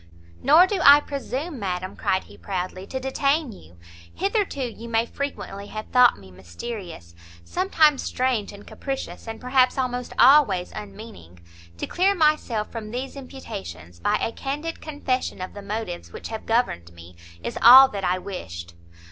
"Nor do I presume, madam," cried he proudly, "to detain you; hitherto you may frequently have thought me mysterious, sometimes strange and capricious, and perhaps almost always, unmeaning; to clear myself from these imputations, by a candid confession of the motives which have governed me, is all that I wished.